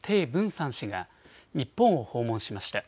燦氏が日本を訪問しました。